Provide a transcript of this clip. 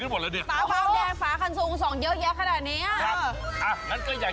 กาละบาลแดงขวดละ๑๐บาทรุ่นขวาได้รุ่นมากกว่า๑๐บาทก็ได้รุ่นรถมอเตอร์ไซค์ได้